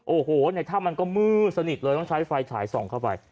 โอ้โหในถ้ำมันก็มืดสนิทเลยต้องใช้ไฟฉายส่องเข้าไป